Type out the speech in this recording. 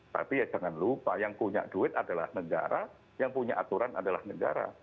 tapi ya jangan lupa yang punya duit adalah negara yang punya aturan adalah negara